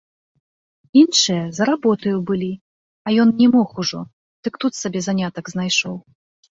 Іншыя за работаю былі, а ён не мог ужо, дык тут сабе занятак знайшоў.